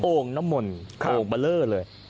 โอ่งณมนต์โอ่งเบลอเลย